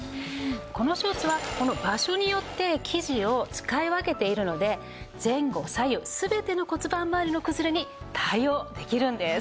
このショーツは場所によって生地を使い分けているので前後左右全ての骨盤まわりの崩れに対応できるんです。